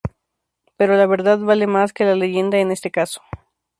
Pero la verdad vale más que la leyenda en este caso.